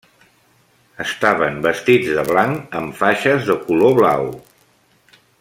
Estaven vestits de blanc, amb faixes de color blau.